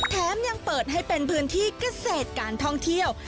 แถมยังเปิดให้เป็นพื้นที่เกษตรการท่องเที่ยว